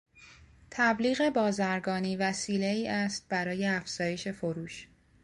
تبلیغ بازرگانی وسیلهای است برای افزایش فروش.